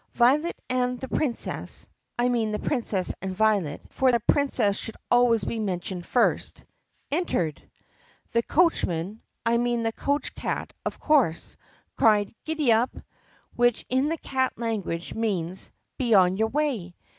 Violet and the Princess — I mean the Princess and Violet, for a princess should always be mentioned first — entered. The coachman — I mean the coachcat, of course — cried, " Giddap /" which in the cat language means "Re on your way!"